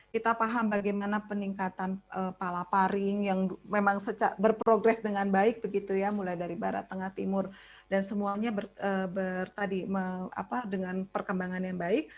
kita paham bagaimana peningkatan palaparing yang memang berprogres dengan baik begitu ya mulai dari barat tengah timur dan semuanya dengan perkembangan yang baik